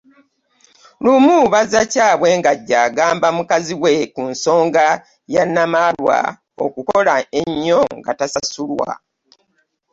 Lumu Bazzakyabwe ng'ajja agamba mukazi we ku nsonga ya Namalwa okukola ennyo nga tasasulwa.